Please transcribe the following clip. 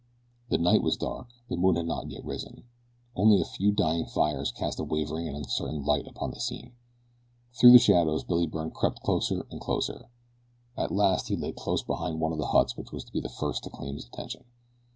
The night was dark. The moon had not yet risen. Only a few dying fires cast a wavering and uncertain light upon the scene. Through the shadows Billy Byrne crept closer and closer. At last he lay close beside one of the huts which was to be the first to claim his attention.